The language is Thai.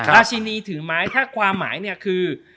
ราชินีถือไม้ถ้าความหมายเนี่ยคือ